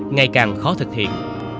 ngày càng khó thực hiện